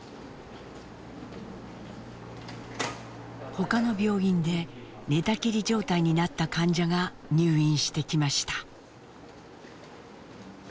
他の病院で寝たきり状態になった患者が入院してきました。